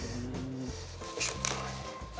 よいしょ。